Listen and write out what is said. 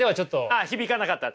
ああ響かなかった？